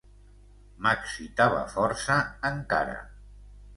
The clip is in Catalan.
M'excitava força, encara.